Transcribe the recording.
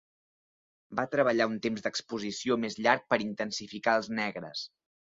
Va treballar un temps d'exposició més llarg per intensificar els negres.